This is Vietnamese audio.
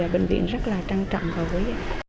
bệnh viện rất trân trọng và vui